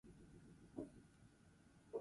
Bikotea Parisera joan zen bizitzera.